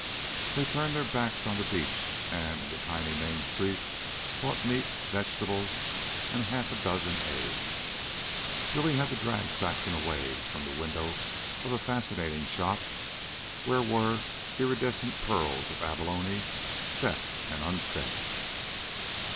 They turned their backs on the beach and in the tiny main street bought meat, vegetables, and half a dozen eggs. Billy had to drag Saxon away from the window of a fascinating shop where were iridescent pearls of abalone, set and unset.